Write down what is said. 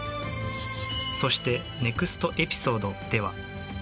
そしてネクストエピソードでは。